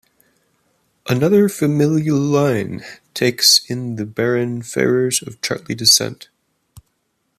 Another familial line takes in the Baron Ferrers of Chartley descent.